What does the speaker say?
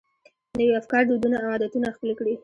نوي افکار، دودونه او عادتونه خپل کړي.